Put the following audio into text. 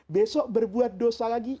besok berbuat dosa lagi